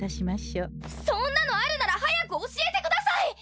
そんなのあるなら早く教えてください！